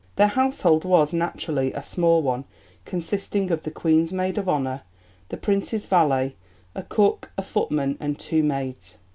Their household was, naturally, a small one, consisting of the Queen's Maid of Honour, the Prince's valet, a cook, a footman, and two maids.